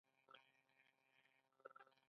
رئیس الوزرا د حکومت اجرائیوي مشر دی